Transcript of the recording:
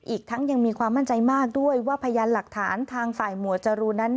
อีกทั้งยังมีความมั่นใจมากด้วยว่าพยานหลักฐานทางฝ่ายหมวดจรูนนั้น